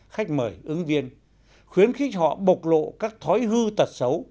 khách mời ứng viên khuyến khích họ bộc lộ các thói hư tật xấu